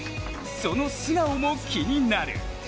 その素顔も気になる。